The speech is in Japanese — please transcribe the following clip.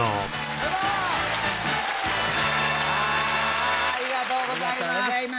ありがとうございます。